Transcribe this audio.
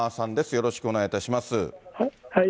よろしくお願いします。